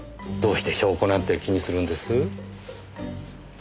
どうして証拠なんて気にするんです？